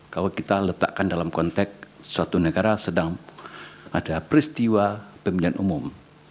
kalau kita letakkan dalam konteks suatu negara sedang ada peristiwa pemilihan umum